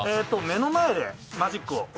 目の前でマジックを。